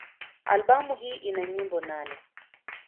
Albamu hii ina nyimbo nane.